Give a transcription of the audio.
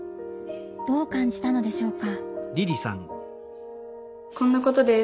どう感じたのでしょうか？